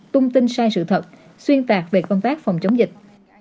tung tin sai sự thật xuyên tạc về công tác phòng chống dịch